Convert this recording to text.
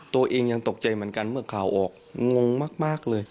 ตัวเองยังตกใจเหมือนกันเมื่อข่าวออกงงมากเลย